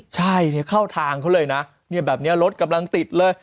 ใช่เข้าทางเขาเลยนะแบบนี้รถกำลังติดเลย